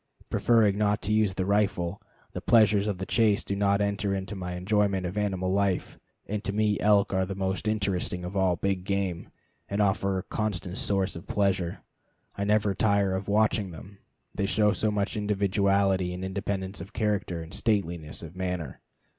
Preferring not to use the rifle, the pleasures of the chase do not enter into my enjoyment of animal life, and to me elk are the most interesting of all big game, and a constant source of pleasure. I never tire of watching them, they show so much individuality and independence of character and stateliness of manner.